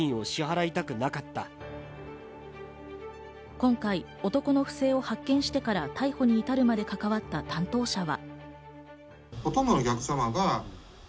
今回、男の不正を発見してから逮捕に至るまで関わった担当者は。